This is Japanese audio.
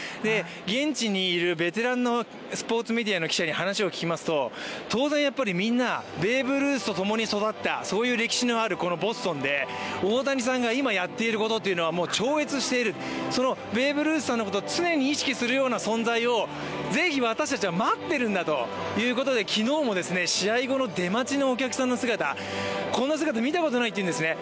現地にいるベテランのスポーツメディアの記者に話を聞きますと当然みんな、ベーブ・ルースとともに育った、こういう歴史のあるこのボストンで、大谷さんが今、やっていることっていうのはもう超越している、そのベーブ・ルースさんのことを常に意識するような存在をぜひ、私たちは待っているんだということで昨日も試合後の出待ちのお客さんの姿、こんな姿、見たことないというんですね。